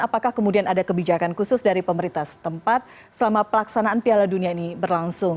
apakah kemudian ada kebijakan khusus dari pemerintah setempat selama pelaksanaan piala dunia ini berlangsung